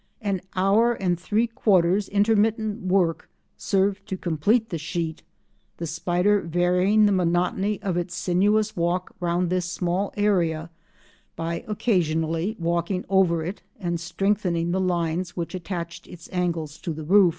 An hour and three quarters intermittent work served to complete the sheet, the spider varying the monotony of its sinuous walk round this small area by occasionally walking over it and strengthening the lines which attached its angles to the roof.